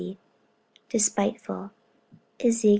80. Despiteful, Ezek.